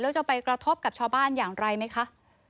แล้วจะไปกระทบกับชาวบ้านอย่างไรไหมคะ